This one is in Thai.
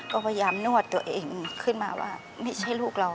ก็พยายามนวดตัวเองขึ้นมาว่าไม่ใช่ลูกเรา